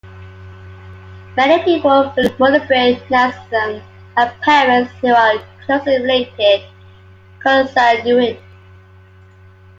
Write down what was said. Many people with Mulibrey nanism have parents who are closely related, consanguine.